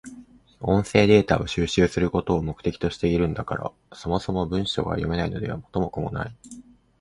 音声データを収集することを目的としているんだから、そもそも文章が読めないのでは元も子もない。